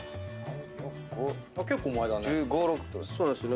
５？結構前だね。